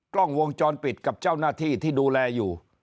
กล้องวงจรปิดกับเจ้าหน้าที่ที่ดูแลอยู่